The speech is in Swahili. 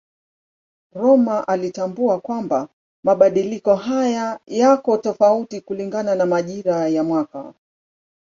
Rømer alitambua kwamba mabadiliko haya yako tofauti kulingana na majira ya mwaka.